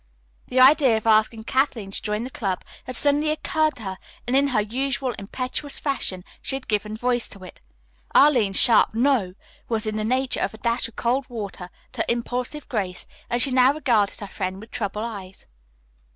The idea of asking Kathleen to join the club had suddenly occurred to her, and in her usual impetuous fashion she had given voice to it. Arline's sharp "no" was in the nature of a dash of cold water to impulsive Grace, and she now regarded her friend with troubled eyes.